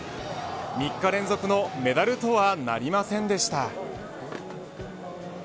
３日連続のメダルとはなりませんでした。